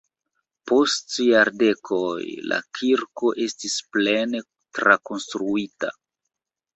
Post jardekoj la kirko estis plene trakonstruita.